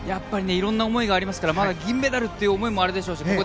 いろんな思いがありますからまだ銀メダルという思いもありますでしょうし